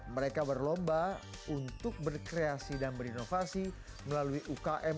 mereka berlomba untuk berkreasi dan berinovasi melalui ukm